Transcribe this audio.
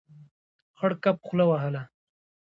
خړ کب خوله وهله.